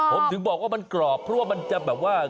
ผมถึงบอกว่ามันกรอบเพราะว่ามันจะแบบว่า